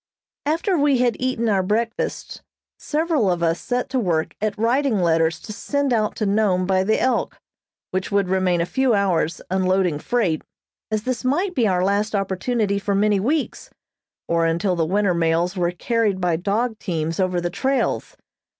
After we had eaten our breakfasts, several of us set to work at writing letters to send out to Nome by the "Elk," which would remain a few hours unloading freight, as this might be our last opportunity for many weeks, or until the winter mails were carried by dog teams over the trails.